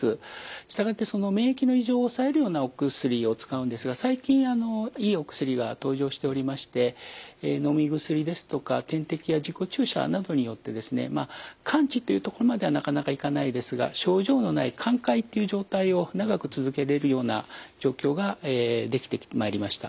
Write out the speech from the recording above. したがってその免疫の異常を抑えるようなお薬を使うんですが最近あのいいお薬が登場しておりましてのみ薬ですとか点滴や自己注射などによってですねまあ完治っていうところまではなかなかいかないですが症状のない寛解っていう状態を長く続けれるような状況ができてまいりました。